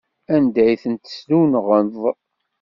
Anda ay tent-tessunɣeḍ?